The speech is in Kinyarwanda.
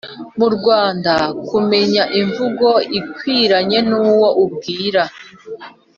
muRwanda kumenya imvugo ikwiranye n’uwo ubwira